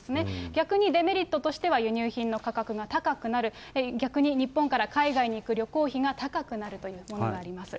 逆にデメリットとしては、輸入品の価格が高くなる、逆に日本から海外に行く旅行費が高くなるというものがあります。